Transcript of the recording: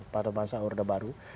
pada masa urde baru